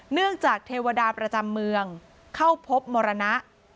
เนื่องจากเทวดาประจำเมืองเข้าพบมรณะ